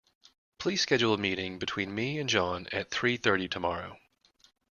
Please schedule a meeting between me and John at three thirty tomorrow.